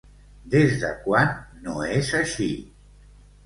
Des de quan no és així?